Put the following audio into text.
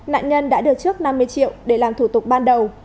nạn nhân đã được trước năm mươi triệu để làm thủ tục ban đầu